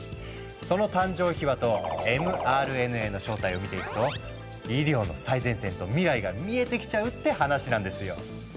その誕生秘話とｍＲＮＡの正体を見ていくと医療の最前線と未来が見えてきちゃうって話なんですよ。